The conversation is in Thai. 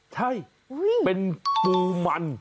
ใช่เป็นปูมัน